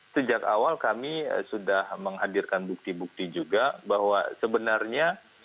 sejak awal kami sudah menghadirkan bukti bukti juga bahwa sebenarnya